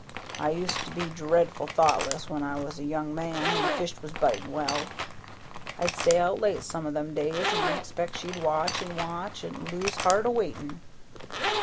I used to be dreadful thoughtless when I was a young man and the fish was bitin' well. I'd stay out late some o' them days, an' I expect she'd watch an' watch an' lose heart a waitin'.